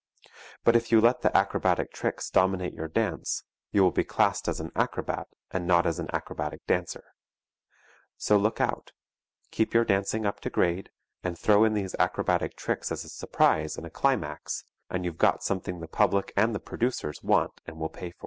But if you let the acrobatic tricks dominate your dance, you will be classed as an acrobat, and not as an acrobatic dancer; so look out keep your dancing up to grade and throw in these acrobatic tricks as a surprise and a climax, and you've got something the public and the producers want and will pay for.